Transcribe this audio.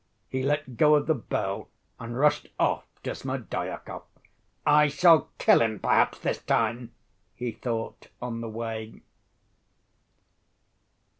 He let go of the bell and rushed off to Smerdyakov. "I shall kill him, perhaps, this time," he thought on the way.